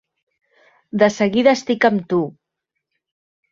De seguida estic amb tu.